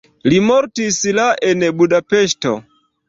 Li mortis la en Budapeŝto.